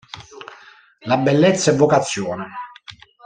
La bellezza è vocazione.